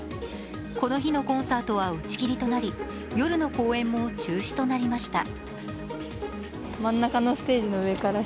この日のコンサートは打ち切りとなり、夜の公演も中止となりました。